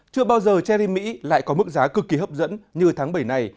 chưa bao giờ cherry mỹ lại có mức giá cực kỳ hấp dẫn như tháng bảy này